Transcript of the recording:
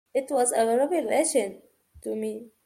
It was a revelation to me.